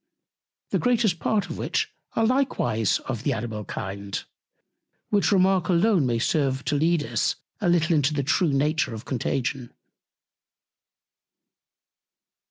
the greatest Part of which are likewise of the Animal Kind; which Remark alone may serve to lead Us a little into the true Nature of Contagion.